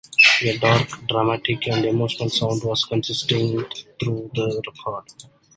A dark, dramatic, and emotional sound was consistent throughout the record.